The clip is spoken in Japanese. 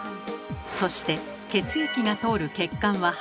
そして血液が通る血管は半透明。